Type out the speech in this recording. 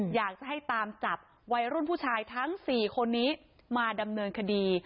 อยากจะให้ตามจับวัยรุ่นผู้ชายทั้ง๔คนนี้มาดำเนินคดี